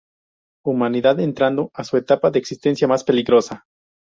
Humanidad entrando a su etapa de existencia más peligrosa.